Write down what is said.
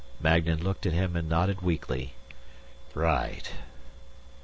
Magnan looked at him, nodded weakly. "Right."